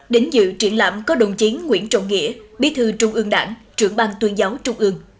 đến dự triển lãm có đồng chiến nguyễn trọng nghĩa bí thư trung ương đảng trưởng ban tuyên giáo trung ương